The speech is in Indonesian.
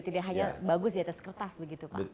tidak hanya bagus diatas kertas begitu pak